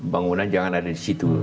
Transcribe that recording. bangunan jangan ada di situ